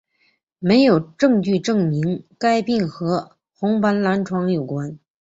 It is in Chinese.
没有证据证明该病和红斑狼疮有关。